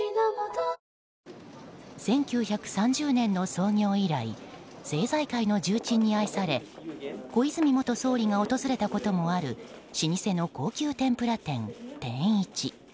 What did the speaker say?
１９３０年の創業以来政財界の重鎮に愛され小泉元総理が訪れたこともある老舗の高級てんぷら店、天一。